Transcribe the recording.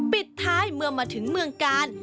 ปิดท้ายเมื่อมาถึงเมืองกาล